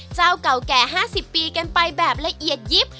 เจ้าเก่าแก่๕๐ปีกันไปแบบละเอียดยิบ